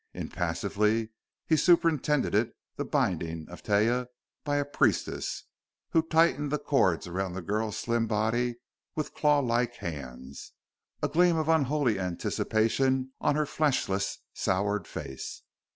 Impassively he superintended the binding of Taia by a priestess, who tightened the cords around the girl's slim body with claw like hands, a gleam of unholy anticipation on her fleshless, soured face.